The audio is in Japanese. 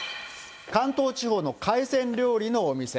関東地方の海鮮料理のお店。